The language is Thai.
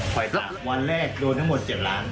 ฝากวันแรกโดนทั้งหมด๗ล้าน